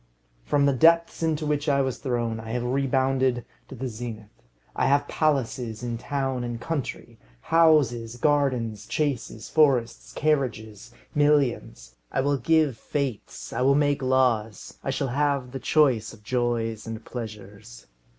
From the depths into which I was thrown, I have rebounded to the zenith. I have palaces in town and country: houses, gardens, chases, forests, carriages, millions. I will give fêtes. I will make laws. I shall have the choice of joys and pleasures.